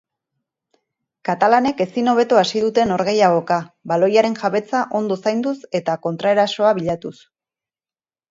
Katalanek ezin hobeto hasi dute norgehiagoka baloiaren jabetza ondo zainduz eta kontraerasoa bilatuz.